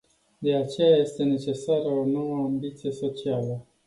De aceea este necesară o nouă ambiție socială.